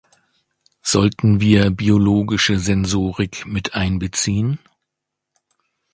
Sollten wir biologische Sensorik miteinbeziehen?